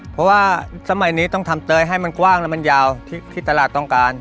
เพราะว่าสมัยนี้ต้องทำเตยให้มันกว้างและมันยาวที่ตลาดต้องการ